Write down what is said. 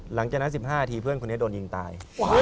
หลังจากนั้น๑๕นาทีเพื่อนคนนี้โดนยิงตาย